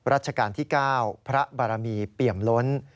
ราชการที่๙พระบารมีเปี่ยมล้น